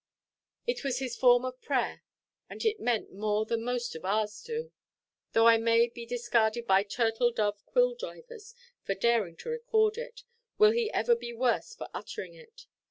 It was his form of prayer; and it meant more than most of ours do. Though I may be discarded by turtle–dove quill–drivers for daring to record it, will he ever be worse for uttering it?